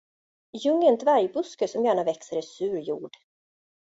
Ljung är en dvärgbuske som gärna växer i sur jord.